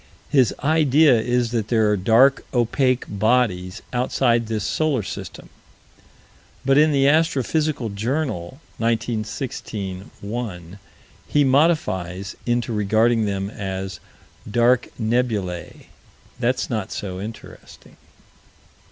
His idea is that there are dark, opaque bodies outside this solar system. But in the Astrophysical Journal, 1916 1, he modifies into regarding them as "dark nebulæ." That's not so interesting.